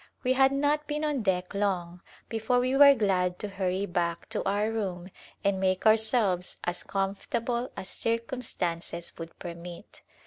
We had not been on deck long before we were glad to hurry back to our room and make ourselves as comfortable as circumstances would permit.